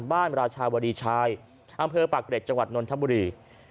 บ้านราชาวรีชายอำเภอป่าเกรตจังหวัดนนท์ธัมบุรี